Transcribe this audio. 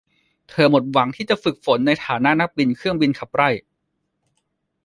เธอหมดหวังที่จะฝึกฝนในฐานะนักบินเครื่องบินขับไล่